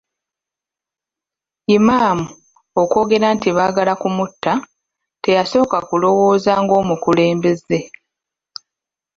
Imam okwogera nti baagala kumutta, teyasooka kulowooza ng'omukulembeze.